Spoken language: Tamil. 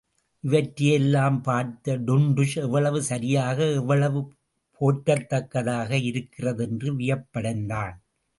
இவற்றையெல்லாம் பார்த்த டுன்டுஷ் எவ்வளவு சரியாக எவ்வளவு போற்றத்தக்கதாக இருக்கிறது என்று வியப்படைந்தான்.